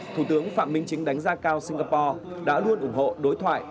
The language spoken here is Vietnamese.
thủ tướng phạm minh chính đánh giá cao singapore đã luôn ủng hộ đối thoại